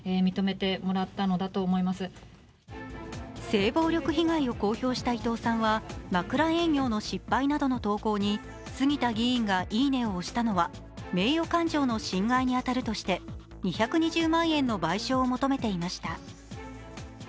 性暴力被害を公表した伊藤さんは枕営業の失敗などの投稿に杉田議員が「いいね」を押したのは名誉感情の侵害にあたるとして２２０万円の賠償を求めていました。